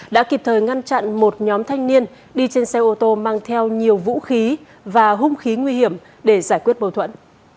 đã kịp thời ngăn chặn một nhóm thanh niên đi trên xe ô tô mang theo nhiều vũ khí và hung khí nguy hiểm để giải quyết bầu thuẫn